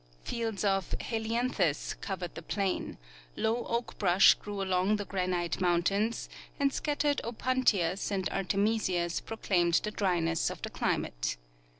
Fields of Heliantkus covered the plain, Ioav oak brush grcAV along the granite mountains, and scattered opuntias and artemisias pro claimed the dryness of the clinaate.